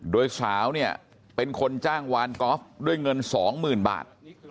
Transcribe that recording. โดยสาวเนี่ยเป็นคนจ้างวานกอล์ฟด้วยเงิน๒๐๐๐บาท